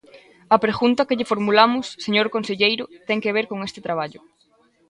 A pregunta que lle formulamos, señor conselleiro, ten que ver con este traballo.